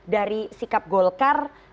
dari sikap golkar